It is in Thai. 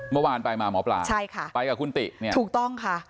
เมื่อวานไปมาหมอปลาไปกับคุณติถูกต้องค่ะ